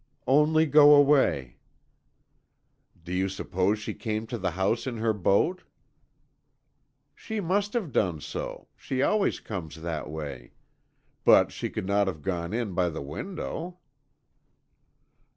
"Only go away." "Do you suppose she came to the house in her boat?" "She must have done so, she always comes that way. But she could not have gone in by the window."